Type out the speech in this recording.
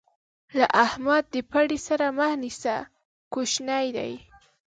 له احمده د پړي سر مه نيسه؛ کوشنی دی.